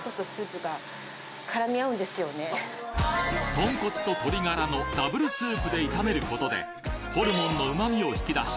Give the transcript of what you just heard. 豚骨と鶏ガラのＷスープで炒める事でホルモンの旨味を引き出し